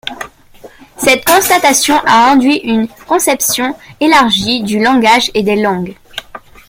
Cette constatation a induit une conception élargie du langage et des langues.